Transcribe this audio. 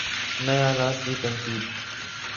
نئے آلات کی تنصیب